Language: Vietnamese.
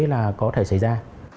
là có thể xảy ra